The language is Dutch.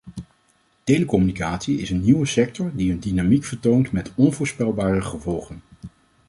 Telecommunicatie is een nieuwe sector die een dynamiek vertoont met onvoorspelbare gevolgen.